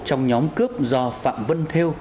trong nhóm cướp do phạm văn thêu